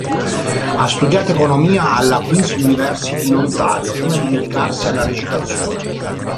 Ha studiato economia alla Queens University in Ontario, prima di dedicarsi alla recitazione.